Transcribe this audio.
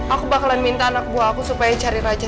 aku bakalan minta anak buah aku supaya cari raja